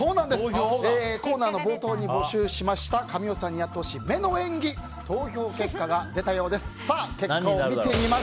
コーナーの冒頭に募集しました神尾さんにやってほしい目の演技、投票結果が出ました。